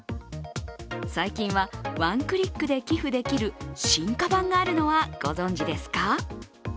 最近は、ワンクリックで寄付できる進化版があるのはご存じですか？